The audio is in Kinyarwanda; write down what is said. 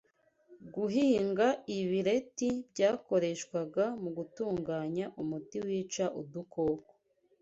guhinga ibireti byakoreshwaga mu gutunganya umuti wica udukoko